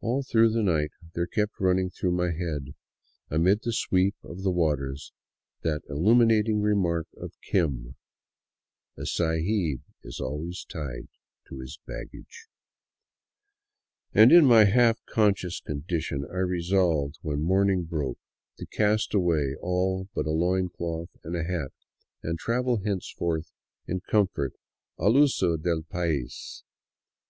All through the night there kept running through my head, amid the sweep of the waters, that illuminat ing remark of " Kim," " A sahib is always tied to his baggage "; and in my half conscious condition I resolved when morning broke to cast away all but a loin cloth and a hat, and travel henceforth in comfort al uso del pais.